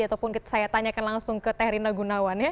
ataupun saya tanyakan langsung ke teh rina gunawan ya